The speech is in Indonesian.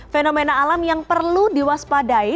fenomena alam yang perlu diwaspadai